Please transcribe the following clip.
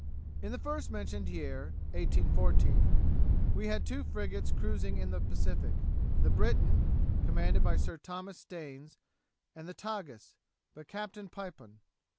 In the first mentioned year (1814) we had two frigates cruising in the Pacific, the Briton, commanded by Sir Thomas Staines, and the Tagus, by Captain Pipon.